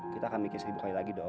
kita akan mikir seribu kali lagi dong